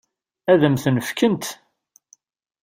Ad m-ten-fkent?